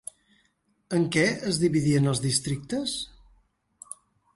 En què es dividien els districtes?